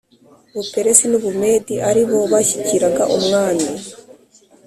Buperesi n u Bumedi ari bo bashyikiraga umwami